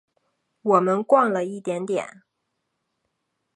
我们逛了一点点